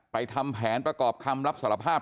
ทำแผนประกอบคำรับสารภาพ